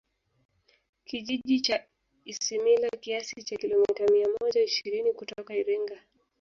Kijiji cha Isimila kiasi cha Kilomita mia moja ishirini kutoka Iringa